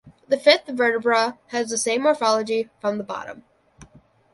The fifth vertebra has the same morphology from the bottom.